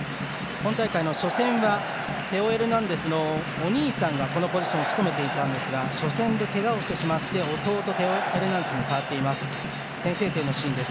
今大会の初戦はテオ・エルナンデスのお兄さんがこのポジションを務めていたんですが初戦でけがをしてしまって弟のテオ・エルナンデスに代わっています。